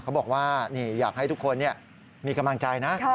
เขาบอกว่าอยากให้ทุกคนมีกำลังใจนะ